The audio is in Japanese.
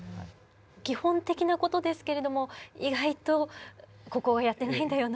基本的な事ですけれども意外とここはやってないんだよなと。